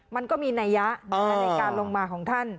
มันก็มีนัยยะในการลงมาของท่าน